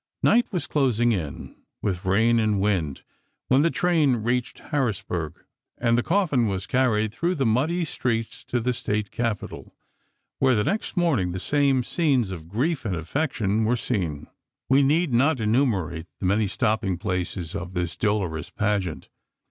Night was closing in, with rain and wind, when the train reached Harrisburg, and the coffin was carried through the muddy streets to the State Capitol, where the next morning the same scenes of grief and affection were seen. We need not enumerate the many stopping places of this dolorous pageant.